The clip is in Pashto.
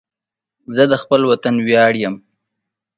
زه د خپل وطن ویاړ یم